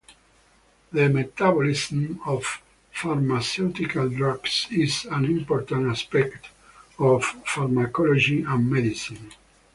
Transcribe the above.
The metabolism of pharmaceutical drugs is an important aspect of pharmacology and medicine.